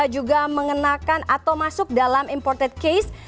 juga mengenakan atau masuk dalam imported case